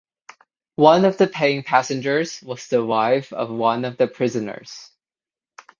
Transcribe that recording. One of the paying passengers was the wife of one of the prisoners.